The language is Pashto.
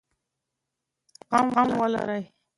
زغم ولرئ.